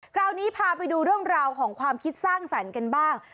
คราวนี้พาไปดูเรื่องราวของความคิดสร้างสรรค์กันบ้าง